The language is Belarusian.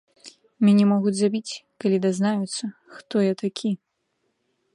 Мяне могуць забіць, калі дазнаюцца, хто я такі.